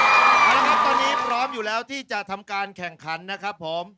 เอาละครับตอนนี้พร้อมอยู่แล้วที่จะทำการแข่งขันนะครับผม